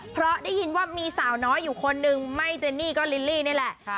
เพราะได้ยินว่ามีสาวน้อยอยู่คนนึงไม่เจนี่ก็ลิลลี่นี่แหละ